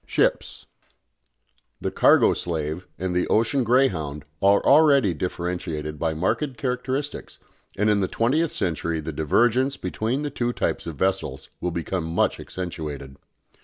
SHIPS. The "cargo slave" and the "ocean greyhound" are already differentiated by marked characteristics, and in the twentieth century the divergence between the two types of vessels will become much accentuated.